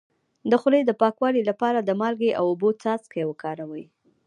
د خولې د پاکوالي لپاره د مالګې او اوبو څاڅکي وکاروئ